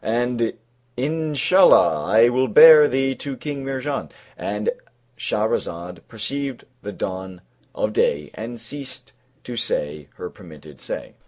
And Inshallah! I will bear thee to King Mihrján " And Shahrazad perceived the dawn of day and ceased to say her permitted say.